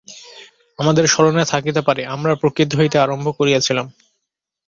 আমাদের স্মরণ থাকিতে পারে, আমরা প্রকৃতি হইতে আরম্ভ করিয়াছিলাম।